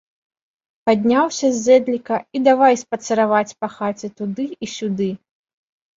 Падняўся з зэдліка і давай спацыраваць па хаце туды і сюды.